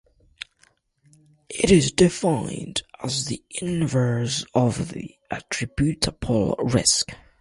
It is defined as the inverse of the attributable risk.